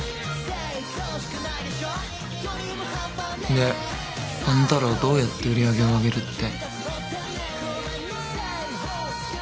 であんたらはどうやって売り上げを上げるって？